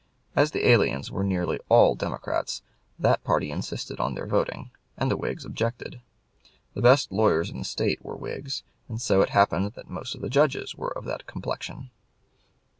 As the aliens were nearly all Democrats, that party insisted on their voting, and the Whigs objected. The best lawyers in the State were Whigs, and so it happened that most of the judges were of that complexion.